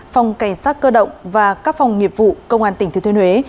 phòng cảnh sát cơ động và các phòng nghiệp vụ công an tỉnh thừa thuyên huế